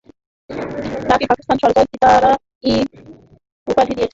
তাকে পাকিস্তান সরকার সিতারা-ই-ইমতিয়াজ উপাধী দিয়ে ভূষিত করেছিল।